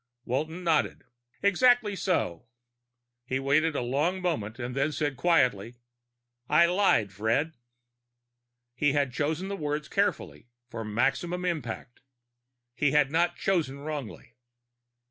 Walton nodded. "Exactly so." He waited a long moment and then said quietly, "I lied, Fred." He had chosen the words carefully, for maximum impact. He had not chosen wrongly.